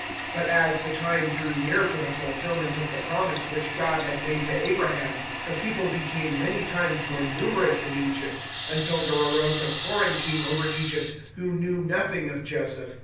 007:017 "But as the time drew near for the fulfilment of the promise which God had made to Abraham, the people became many times more numerous in Egypt, 007:018 until there arose a foreign king over Egypt who knew nothing of Joseph.